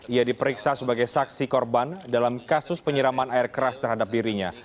ia diperiksa sebagai saksi korban dalam kasus penyiraman air keras terhadap dirinya